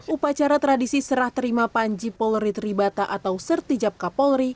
upacara tradisi serah terima panji polri teribata atau sertijabka polri